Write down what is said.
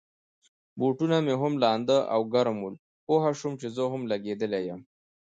بوټونه مې هم لانده او ګرم ول، پوه شوم چي زه هم لګېدلی یم.